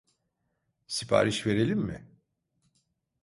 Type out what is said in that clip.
Sipariş verelim mi?